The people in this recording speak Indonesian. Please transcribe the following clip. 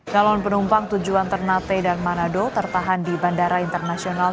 calon penumpang tujuan ternate dan manado tertahan di bandara internasional